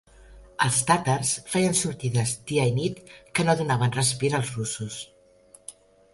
Els tàtars feien sortides dia i nit que no donaven respir als russos.